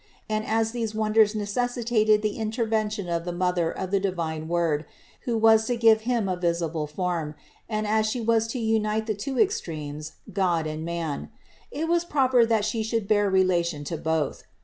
And as these wonders necessitated the intervention of the Mother of the divine Word, who was to give Him a visible form, and as She was to unite the two extremes, man and God, it was proper that She should bear relation to both.